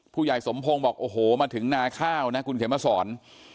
ผู้ใหญ่สมพงศ์บอกโอ้โหมาถึงนาข้าวนะคุณเขียนมาสอน